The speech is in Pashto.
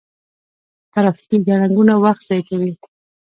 ترافیکي ګڼه ګوڼه وخت ضایع کوي.